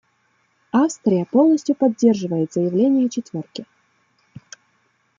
Австрия полностью поддерживает заявление «четверки».